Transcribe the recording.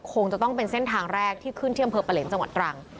คงจะต้องเป็นเส้นทางแรกที่ขึ้นที่อำเภอปะเหล็นจังหวัดตรัง